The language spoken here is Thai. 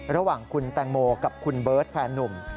ระหว่างคุณแตงโมกับคุณเบิร์ตแฟนนุ่ม